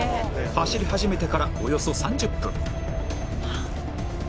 走り始めてからおよそ３０分